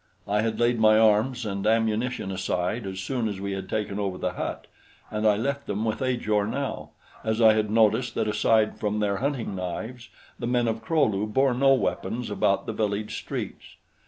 I had laid my arms and ammunition aside as soon as we had taken over the hut, and I left them with Ajor now, as I had noticed that aside from their hunting knives the men of Kro lu bore no weapons about the village streets.